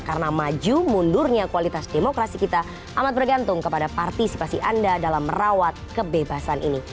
karena maju mundurnya kualitas demokrasi kita amat bergantung kepada partisipasi anda dalam merawat kebebasan ini